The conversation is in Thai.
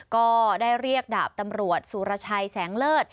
ก็ได้เรียกดาบตำรวจสุรชัยแสงเลิศ